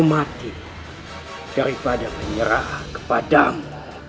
mati daripada menyerah kepadamu